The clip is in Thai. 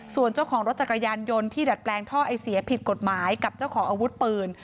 ส่วนเจ้าของรถจักรยานยนต์ที่ดัดแปลงท่อไอเสียผิดกฎหมายกับเจ้าของอาวุธปืน